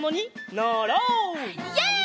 イエイ！